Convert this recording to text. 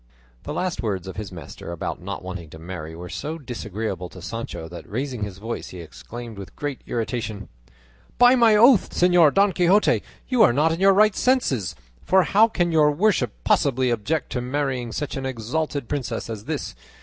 The last words of his master about not wanting to marry were so disagreeable to Sancho that raising his voice he exclaimed with great irritation: "By my oath, Señor Don Quixote, you are not in your right senses; for how can your worship possibly object to marrying such an exalted princess as this?